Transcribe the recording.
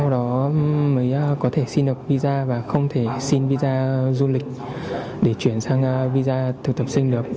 sau đó mới có thể xin được visa và không thể xin visa du lịch để chuyển sang visa thực tập sinh được